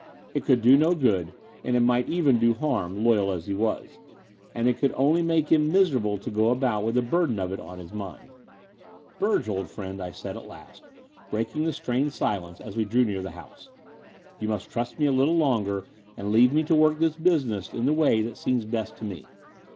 It could do no good, and it might even do harm, loyal as he was: and it could only make him miserable to go about with the burden of it on his mind. *'Burge, dear old friend," I said at last, breaking the strained silence, as we drew near the house, "you must trust me a little longer and leave me to work this business in the way that seems best to me.